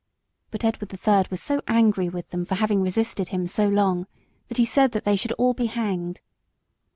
But Edward the Third was so angry with them for having resisted him so long, that he said that they should all be hanged.